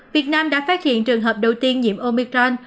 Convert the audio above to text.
việt nam đã phát hiện trường hợp đầu tiên nhiễm omicron